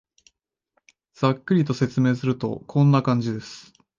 ざっくりと説明すると、こんな感じです